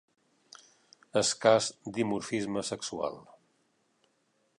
Escàs dimorfisme sexual.